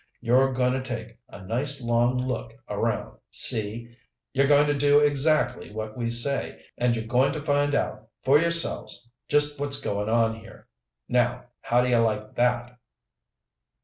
"You're goin' to take a nice long look around, see? You're goin' to do exactly what we say, and you're goin' to find out for yourselves just what's goin' on here. Now how do you like that?"